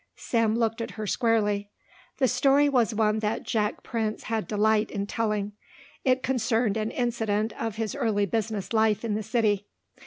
Sam looked at her squarely. The story was one that Jack Prince had delight in telling. It concerned an incident of his early business life in the city.